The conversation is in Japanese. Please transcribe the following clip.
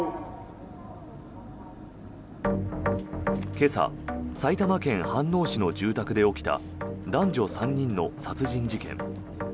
今朝、埼玉県飯能市の住宅で起きた男女３人の殺人事件。